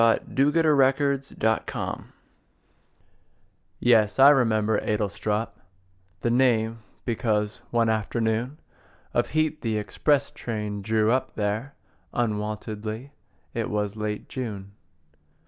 Edward Thomas Adlestrop YES, I remember Adlestrop The name because one afternoon Of heat the express train drew up there Unwontedly. It was late June.